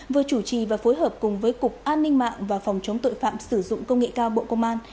vừa chủ trì và phối hợp cùng với cục an ninh mạng và phòng chống tội phạm sử dụng công nghệ cao bộ công an